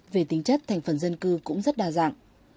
về tính chất thành phần dân cư cũng rất đa dạng